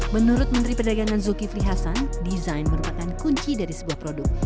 menurut menteri perdagangan zulkifli hasan desain merupakan kunci dari sebuah produk